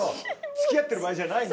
付き合ってる場合じゃないんだ。